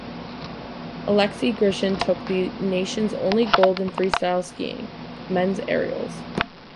Alexei Grishin took the nation's only gold in freestyle skiing - men's aerials.